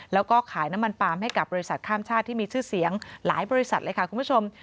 แล้วก็ขายน้ำมันปาล์มให้กับบริษัทข้ามชาติที่มีชื่อเสียงหลายบริษัทเลยค่ะคุณผู้ชม